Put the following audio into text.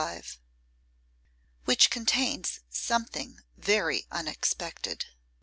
CHAPTER V. Which Contains Something Very Unexpected.